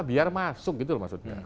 biar masuk gitu maksudnya